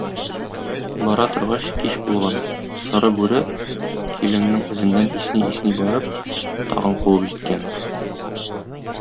Бара торгач кич булган, Соры бүре, килененең эзеннән исни-исни барып, тагын куып җиткән.